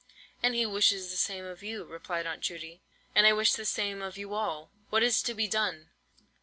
"And he wishes the same of you," replied Aunt Judy, "and I wish the same of you all. What is to be done?